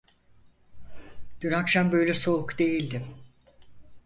Dün akşam böyle soğuk değildim…